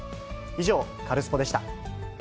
以上、カルスポっ！でした。